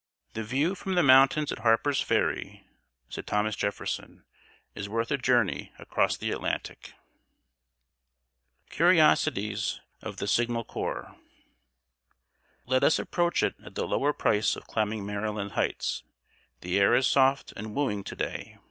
"The view from the mountains at Harper's Ferry," said Thomas Jefferson, "is worth a journey across the Atlantic." [Sidenote: CURIOSITIES OF THE SIGNAL CORPS.] Let us approach it at the lower price of climbing Maryland Hights. The air is soft and wooing to day.